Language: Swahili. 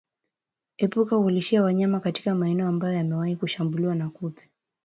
Epuka kulishia wanyama katika maeneo ambayo yamewahi kushambuliwa na kupe